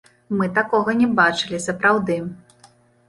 Мы такога не бачылі сапраўды.